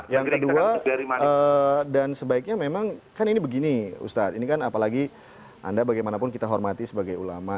yang kedua dan sebaiknya memang kan ini begini ustadz ini kan apalagi anda bagaimanapun kita hormati sebagai ulama